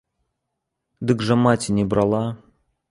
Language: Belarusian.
Дык жа маці не брала.